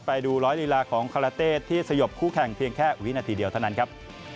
ไปดูร้อยลีลาของคาราเต้ที่สยบคู่แข่งเพียงแค่วินาทีเดียวเท่านั้นครับ